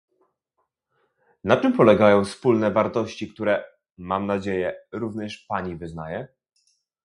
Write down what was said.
Na czym polegają wspólne wartości, które, mam nadzieję, również Pani wyznaje?